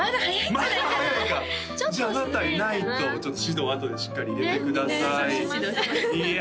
まだ早いかじゃああなたいないとちょっと指導あとでしっかり入れてくださいいや